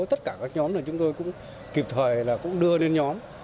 tất cả các nhóm chúng tôi cũng kịp thời đưa lên nhóm